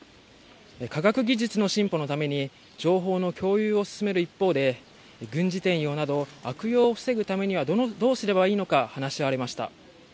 科学技術の進歩のために情報の共有を進める一方で軍事転用など悪用を防ぐためにはどうすればいいのか話し合われました。